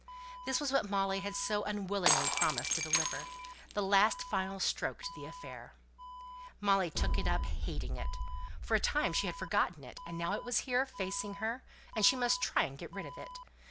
This was what Molly had so unwillingly promised to deliver the last final stroke to the affair. Molly took it up, hating it. For a time she had forgotten it; and now it was here, facing her, and she must try and get rid of it.